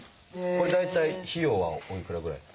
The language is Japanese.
これ大体費用はおいくらぐらいなんですか？